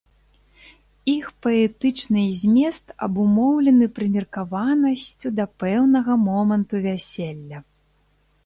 Іх паэтычны змест абумоўлены прымеркаванасцю да пэўнага моманту вяселля.